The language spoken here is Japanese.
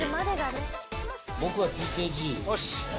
僕はＴＫＧ。